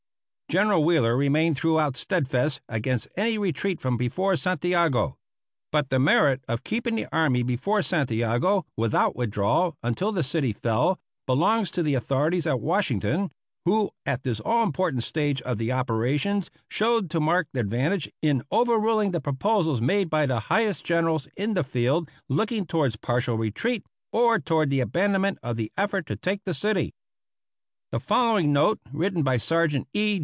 General Wheeler remained throughout steadfast against any retreat from before Santiago. But the merit of keeping the army before Santiago, without withdrawal, until the city fell, belongs to the authorities at Washington, who at this all important stage of the operations showed to marked advantage in overruling the proposals made by the highest generals in the field looking toward partial retreat or toward the abandonment of the effort to take the city. The following note, written by Sergeant E.